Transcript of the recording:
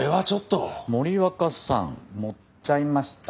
森若さん盛っちゃいました？